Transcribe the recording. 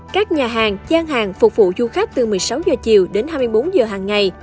các nhà hàng gian hàng phục vụ du khách từ một mươi sáu h chiều đến hai mươi bốn h hàng ngày